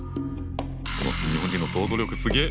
日本人の想像力すげぇ！